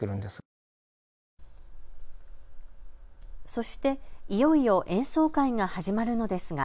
そして、いよいよ演奏会が始まるのですが。